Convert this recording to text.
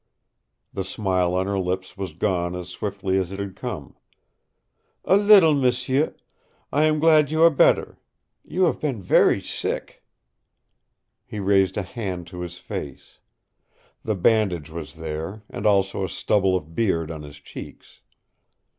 The smile on her lips was gone as swiftly as it had come. "A little, m'sieu. I am glad you are better. You have been very sick." He raised a hand to his face. The bandage was there, and also a stubble of beard on his cheeks.